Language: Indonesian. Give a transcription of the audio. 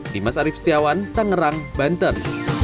dimas arief setiawan tangerang banten